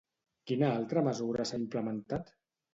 Quina altra mesura s'ha implementat?